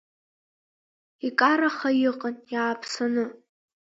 Икараха иҟан, иааԥсаны.